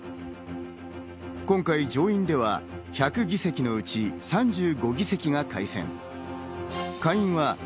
今回、上院では１００議席のうち３５議席が改選。